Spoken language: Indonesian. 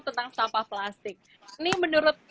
tentang sampah plastik ini menurut